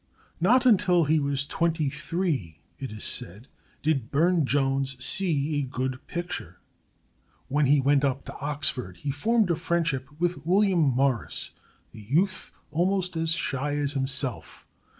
Not until he was twenty three, it is said, did Burne Jones see a good picture. When he went up to Oxford he formed a friendship with William Morris, a youth almost as shy as himself.